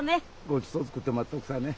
ごちそう作って待っとくさぁね。